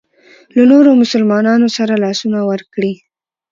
له نورو مسلمانانو سره لاسونه ورکړي.